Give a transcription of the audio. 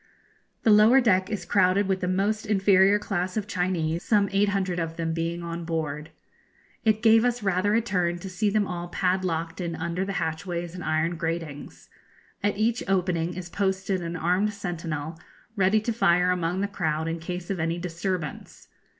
The lower deck is crowded with the most inferior class of Chinese, some eight hundred of them being on board. It gave us rather a turn to see them all padlocked in under the hatchways and iron gratings. At each opening is posted an armed sentinel, ready to fire among the crowd in case of any disturbance.